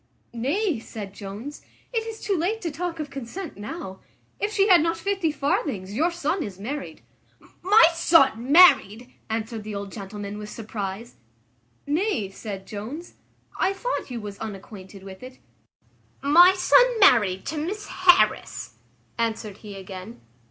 "Nay," said Jones, "it is too late to talk of consent now; if she had not fifty farthings your son is married." "My son married!" answered the old gentleman, with surprize. "Nay," said Jones, "I thought you was unacquainted with it." "My son married to Miss Harris!" answered he again.